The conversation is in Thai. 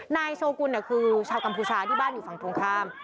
นายโชกุลคือชาวกัมพูชาที่บ้านอยู่ฝั่งตรงข้าม